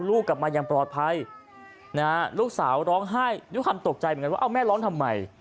ลูกกลับมาอย่างปลอดภัยนะฮะลูกสาวร้องไห้ด้วยความตกใจเหมือนกันว่าเอาแม่ร้องทำไม